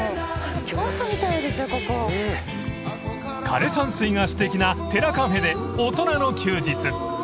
［枯れ山水がすてきな寺カフェで大人の休日］